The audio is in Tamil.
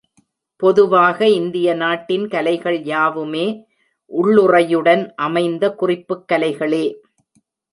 பொதுவாக இந்திய நாட்டின் கலைகள் யாவுமே உள்ளுறையுடன் அமைந்த குறிப்புக் கலைகளே.